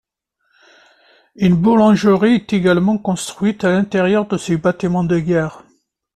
Une boulangerie est également construite à l'intérieur de ces bâtiments de guerre.